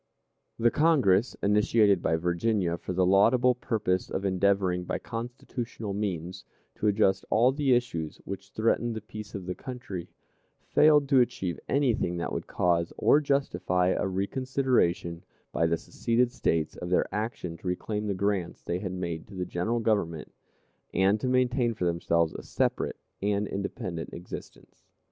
The Congress, initiated by Virginia for the laudable purpose of endeavoring, by constitutional means, to adjust all the issues which threatened the peace of the country, failed to achieve anything that would cause or justify a reconsideration by the seceded States of their action to reclaim the grants they had made to the General Government, and to maintain for themselves a separate and independent existence.